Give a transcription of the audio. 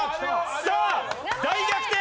さあ大逆転